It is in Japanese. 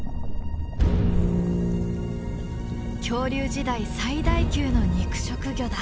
恐竜時代最大級の肉食魚だ。